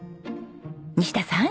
西田さん。